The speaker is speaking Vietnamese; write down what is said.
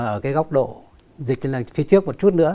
ở cái góc độ dịch là phía trước một chút nữa